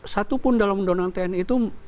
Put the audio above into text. satupun dalam undang undang tni itu